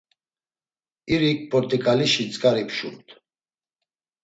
İrik port̆iǩalişi tzǩari pşumt.